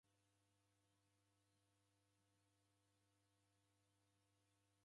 Wakaie kighirilonyi kwa matuku arandadu.